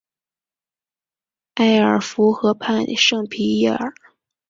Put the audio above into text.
埃尔夫河畔圣皮耶尔。